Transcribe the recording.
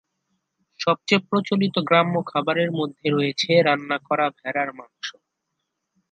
সবথেকে প্রচলিত গ্রাম্য খাবারের পদের মধ্যে রয়েছে রান্না করা ভেড়ার মাংস।